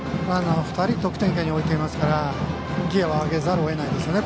２人、得点圏に置いていますからギヤを上げざるを得ないですよね